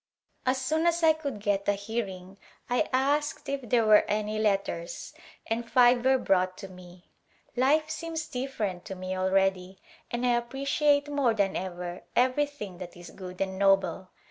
As soon as I could get a hearing I asked if there Arrival in India were any letters and five were brought to me. Life seems different to me already and I appreciate more than ever everything that is good and noble.